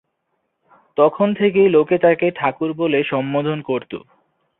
তখন থেকেই লোকে তাঁকে ‘ঠাকুর’ বলে সম্বোধন করত।